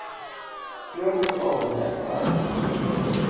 Who ever saw one that size?